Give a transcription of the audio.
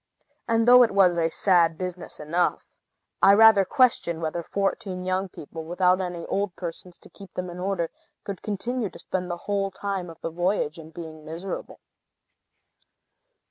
And though it was a sad business enough, I rather question whether fourteen young people, without any old persons to keep them in order, could continue to spend the whole time of the voyage in being miserable.